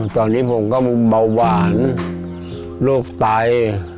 ตอนนี้ผมก็มุมเบาหวานโรคตาย